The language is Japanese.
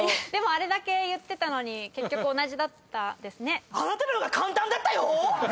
あれだけ言ってたのに結局同じだったですね。